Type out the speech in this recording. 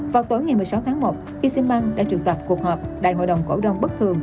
vào tối ngày một mươi sáu tháng một asean bank đã trực tập cuộc họp đại hội đồng cổ đông bất thường